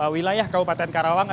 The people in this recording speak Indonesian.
wilayah kabupaten karawang